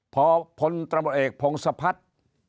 พอพลตำรวจเอกพงศพัฒน์